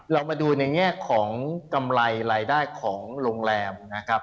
เรามาดูในแง่ของกำไรรายได้ของโรงแรมนะครับ